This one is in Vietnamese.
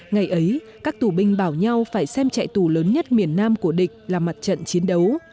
ngày ấy các tù binh bảo nhau phải xem chạy tù lớn nhất miền nam của địch là mặt trận chiến đấu